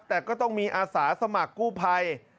แต่ก็ต้องมีอาสาสมัครกู้ภัย